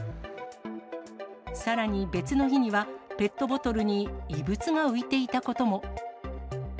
さらに別の日には、ペットボトルに異物が浮いていたことも。